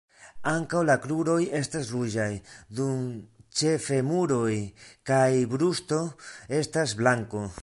Ankaŭ la kruroj estas ruĝaj, dum ĉe femuroj kaj brusto estas blanko.